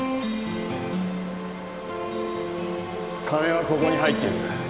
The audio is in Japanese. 金はここに入っている。